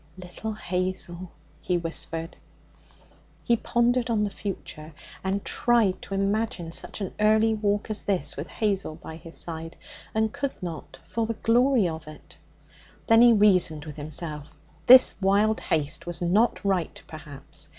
'Little Hazel!' he whispered. He pondered on the future, and tried to imagine such an early walk as this with Hazel by his side, and could not for the glory of it. Then he reasoned with himself. This wild haste was not right, perhaps.